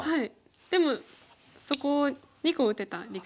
でもそこを２個打てた理屈。